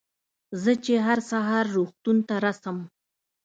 زه چې هر سهار روغتون ته رڅم.